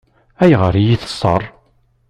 Ayɣer i yi-teṣṣeṛ?